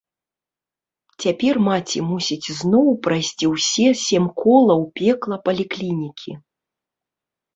Цяпер маці мусіць зноў прайсці ўсе сем колаў пекла паліклінікі.